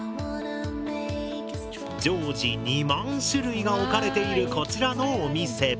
常時２万種類が置かれているこちらのお店。